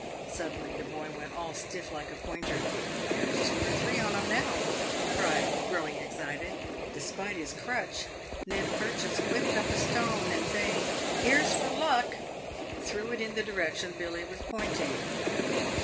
Suddenly the boy went all stiff like a pointer. "There's two or three on 'em now," he cried, growing excited. Despite his crutch, Ned Purchase whipped up a stone, and saying, " Here goes for luck !" threw it in the direction Billy was pointing.